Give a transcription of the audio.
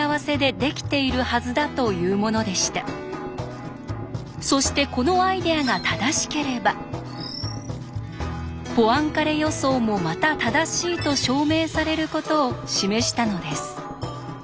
それはいわばそしてこのアイデアが正しければポアンカレ予想もまた正しいと証明されることを示したのです。